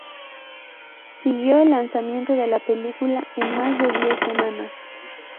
Siguió al lanzamiento de la película en más de diez semanas.